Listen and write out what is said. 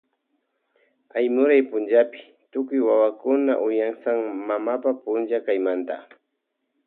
Aymuray pachapi tukuy wawakuna uyansan mamapa punlla kaymanta.